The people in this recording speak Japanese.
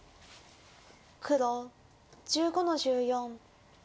黒１５の十四。